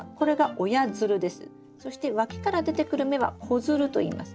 そしてわきから出てくる芽は子づるといいます。